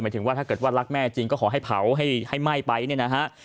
ถึงว่าถ้าเกิดว่ารักแม่จริงก็ขอให้เผาให้ไหม้ไปเนี่ยนะฮะ